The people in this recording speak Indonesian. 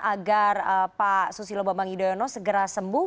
agar pak susilo bambang yudhoyono segera sembuh